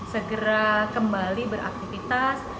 segera kembali beraktifitas